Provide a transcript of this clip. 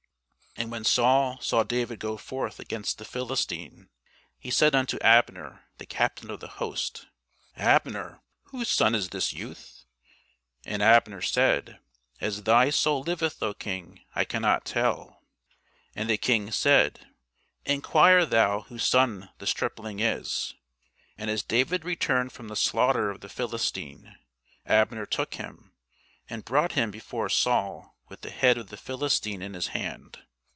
And when Saul saw David go forth against the Philistine, he said unto Abner, the captain of the host, Abner, whose son is this youth? And Abner said, As thy soul liveth, O King, I cannot tell. And the King said, Enquire thou whose son the stripling is. And as David returned from the slaughter of the Philistine, Abner took him, and brought him before Saul with the head of the Philistine in his hand.